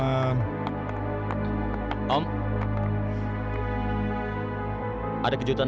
aku simpan teknologi besar